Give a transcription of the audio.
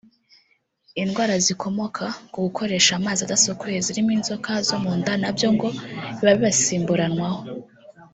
Indwara zikomoka ku gukoresha amazi adasukuye zirimo inzoka zo mu nda na byo ngo bibasimburanwaho